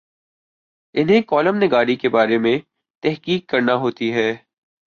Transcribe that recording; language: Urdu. انہیں کالم نگاری کے بارے میں تحقیق کرنا ہوتی ہے۔